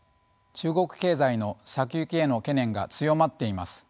中国経済の先行きへの懸念が強まっています。